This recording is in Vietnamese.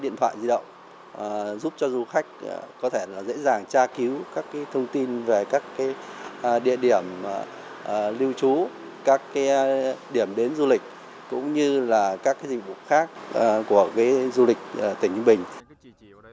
điện thoại di động giúp cho du khách có thể dễ dàng tra cứu các thông tin về các địa điểm lưu trú các điểm đến du lịch cũng như là các dịch vụ khác của du lịch tỉnh ninh bình